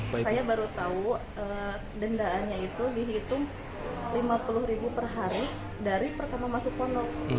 saya baru tahu dendaannya itu dihitung rp lima puluh ribu per hari dari pertama masuk pono